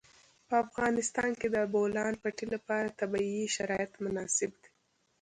په افغانستان کې د د بولان پټي لپاره طبیعي شرایط مناسب دي.